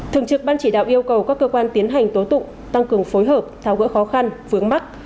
thường trực ban chỉ đạo yêu cầu các cơ quan tiến hành tố tụng tăng cường phối hợp tháo gỡ khó khăn vướng mắt